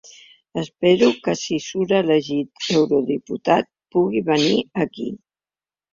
Espero que si surt elegit eurodiputat, pugui venir aquí.